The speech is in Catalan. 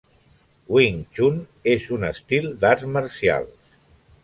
Wing Chun és un estil d'arts marcials.